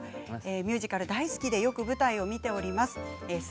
ミュージカル大好きでよく舞台を見ております。